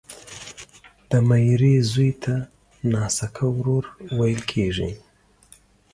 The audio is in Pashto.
د ميرې زوی ته ناسکه ورور ويل کیږي